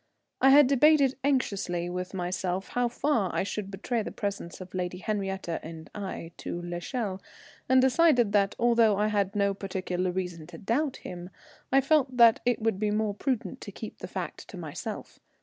I had debated anxiously with myself how far I should betray the presence of Lady Henriette in Aix to l'Echelle, and decided that, although I had no particular reason to doubt him, I felt that it would be more prudent to keep the fact to myself.